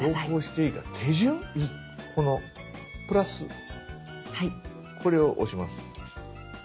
このプラスこれを押します。